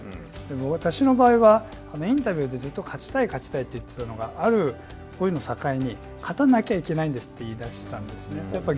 私の場合はインタビューでずっと勝ちたい勝ちたいって言ってたのが境に勝たなきゃいけないんですって言い出したんです。